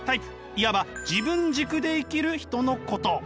いわば自分軸で生きる人のこと。